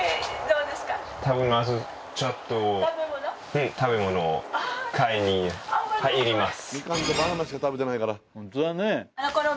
うん食べ物買いに入ります。